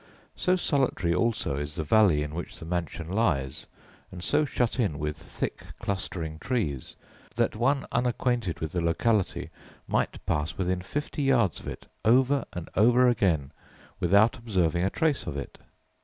So solitary also is the valley in which the mansion lies and so shut in with thick clustering trees, that one unacquainted with the locality might pass within fifty yards of it over and over again without observing a trace of it.